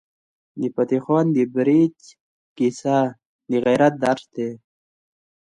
د فتح خان بړیڅ کیسه د غیرت درس دی.